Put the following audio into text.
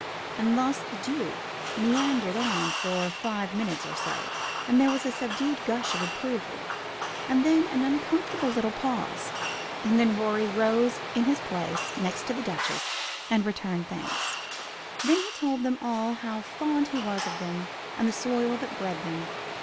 And thus the Duke meandered on for five minutes or so, and there was a subdued gush of approval, and then an uncomfortable little pause, and then Rorie rose in his place, next to the Duchess, and returned thanks. He told them all how fond he was of them and the soil that bred them.